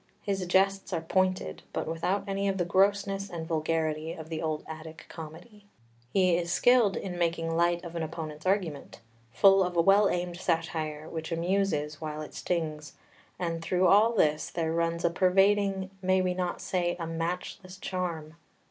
His jests are pointed, but without any of the grossness and vulgarity of the old Attic comedy. He is skilled in making light of an opponent's argument, full of a well aimed satire which amuses while it stings; and through all this there runs a pervading, may we not say, a matchless charm.